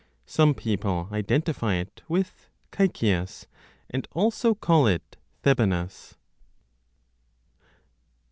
Some people identify it with Caecias, and also call it Thebanas.